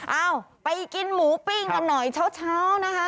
เอาไปกินหมูปิ้งกันหน่อยเช้านะคะ